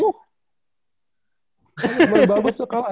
saya juga baik baik saja kalah ya